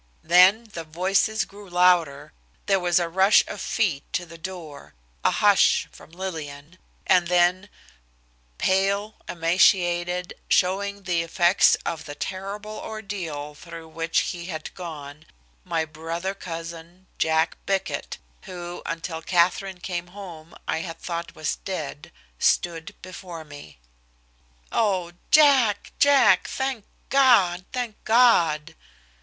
Then the voices grew louder, there was a rush of feet to the door, a "Hush!" from Lillian, and then, pale, emaciated, showing the effects of the terrible ordeal through which he had gone, my brother cousin, Jack Bickett, who, until Katherine came home, I had thought was dead, stood before me. "Oh! Jack, Jack. Thank God! Thank God!"